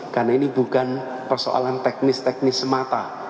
karena ini bukan persoalan teknis teknis semata